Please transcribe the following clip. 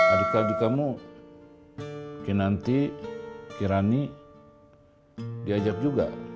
adik adik kamu kirani diajak juga